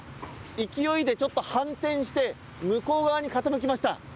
勢いでちょっと反転して向こう側に傾きました。